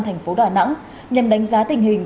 thành phố đà nẵng nhằm đánh giá tình hình